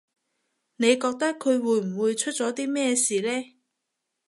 你覺得佢會唔會出咗啲咩事呢